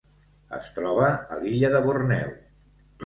Es troba a l'illa de Borneo.